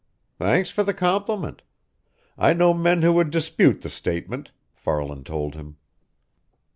"Thanks for the compliment. I know men who would dispute the statement," Farland told him.